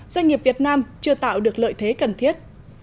doanh nghiệp việt nam chưa tạo được lợi thế cần thiết